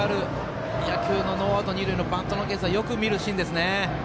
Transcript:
野球のノーアウト二塁のバントのケースはよく見るケースですね。